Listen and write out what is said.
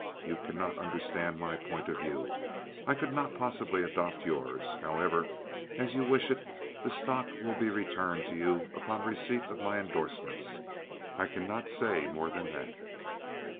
You cannot understand my point of view. I could not possibly adopt yours. However, as you wish it, the stock will be returned to you upon receipt of my indorsements. I cannot say more than that."